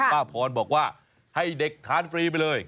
พรบอกว่าให้เด็กทานฟรีไปเลย